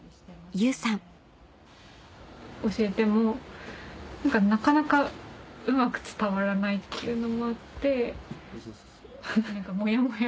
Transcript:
有さん教えてもなかなかうまく伝わらないっていうのもあって何かモヤモヤ。